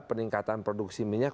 peningkatan produksi minyak